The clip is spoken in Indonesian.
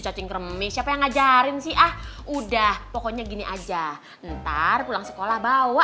cacing kremis siapa yang ngajarin sih ah udah pokoknya gini aja ntar pulang sekolah bawa